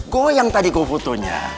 goyang tadi kau fotonya